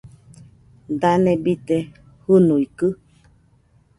Dane bite jɨnuikɨ?